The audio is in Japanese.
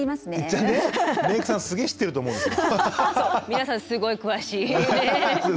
皆さんすごい詳しい。